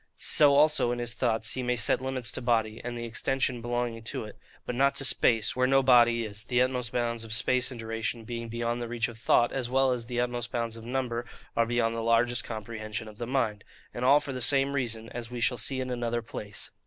So also, in his thoughts, he may set limits to body, and the extension belonging to it; but not to space, where no body is, the utmost bounds of space and duration being beyond the reach of thought, as well as the utmost bounds of number are beyond the largest comprehension of the mind; and all for the same reason, as we shall see in another place.